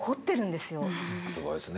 すごいっすね。